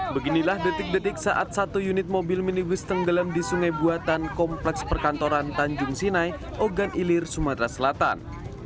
beginilah detik detik saat satu unit mobil minibus tenggelam di sungai buatan kompleks perkantoran tanjung sinai ogan ilir sumatera selatan